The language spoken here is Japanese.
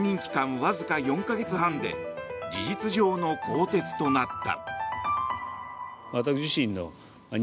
わずか４か月半で事実上の更迭となった。